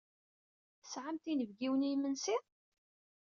Tesɛamt inebgiwen i yimensi?